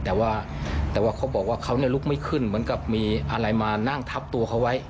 แต่ว่าแต่ว่าเขาบอกว่าเขาลุกไม่ขึ้นเหมือนกับมีอะไรมานั่งทับตัวเขาไว้